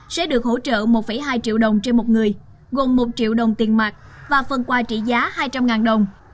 sẽ được hỗ trợ một hai triệu đồng trên một người gồm một triệu đồng tiền mạc và phần quà trị giá hai trăm linh đồng